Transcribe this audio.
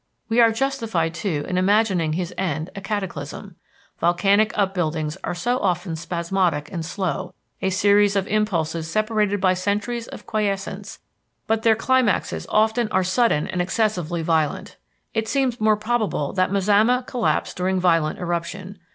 We are justified too in imagining his end a cataclysm. Volcanic upbuildings are often spasmodic and slow, a series of impulses separated by centuries of quiescence, but their climaxes often are sudden and excessively violent. It seems more probable that Mazama collapsed during violent eruption.